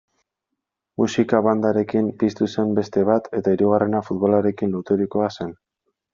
Musika-bandarekin piztu zen beste bat, eta hirugarrena futbolarekin loturikoa zen.